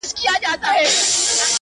ته به په فکر وې _ چي څنگه خرابيږي ژوند _